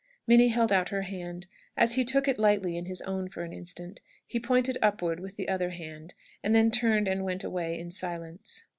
Minnie held out her hand. As he took it lightly in his own for an instant, he pointed upward with the other hand, and then turned and went away in silence.